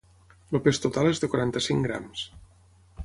El pes total és de quaranta-cinc grams.